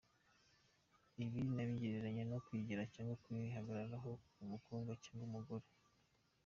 Ibi nabigereranya no kwigira cyangwa kwihagararaho ku mukobwa cyangwa umugore.